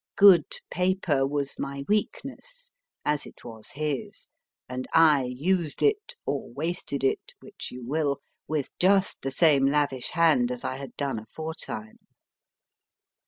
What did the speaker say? Good paper was my weakness as it was his and I used it, or wasted it, which you will, with just the same lavish hand as I had done aforetime.